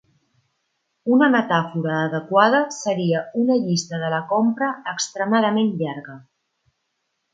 Una metàfora adequada seria una llista de la compra extremadament llarga.